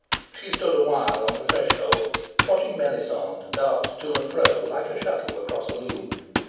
She stood awhile on the threshold, watching Melisande dart to and fro like a shuttle across a loom.